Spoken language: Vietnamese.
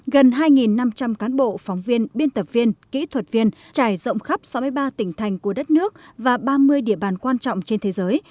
gần hai năm trăm linh cán bộ phóng viên biên tập viên kỹ thuật viên trải rộng khắp sáu mươi ba tỉnh thành của đất nước và ba mươi địa bàn quan trọng trên thế giới